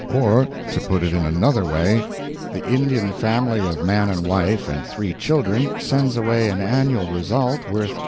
Or, to put it in another way, the Indian family of man and wife and three children sends away an annual result worth $8.